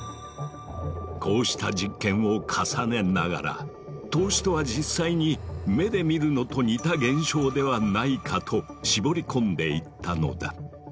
こうした実験を重ねながら透視とは実際に目で見るのと似た現象ではないかと絞り込んでいったのだ。